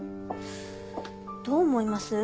どう思います？